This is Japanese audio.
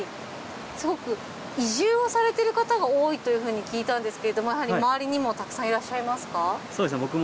すごく移住をされてる方が多いというふうに聞いたんですけれどもやはりまわりにもたくさんいらっしゃいますか？